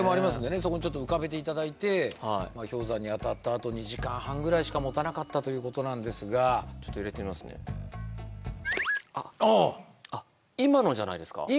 そこにちょっと浮かべていただいて氷山に当たったあと２時間半ぐらいしかもたなかったということなんですがちょっと入れてみますねあああっ